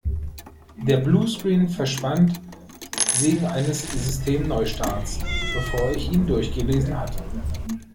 Der Bluescreen verschwand wegen eines Systemneustarts, bevor ich ihn durchgelesen hatte.